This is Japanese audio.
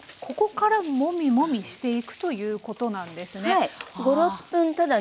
ここからモミモミしていくということなんですね。